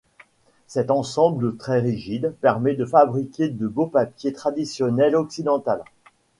Cet ensemble très rigide permet de fabriquer du beau papier traditionnel occidental.